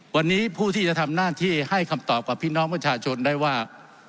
วันนี้ผู้ที่จะทำหน้าที่ให้คำตอบกับพี่น้องประชาชนได้ว่า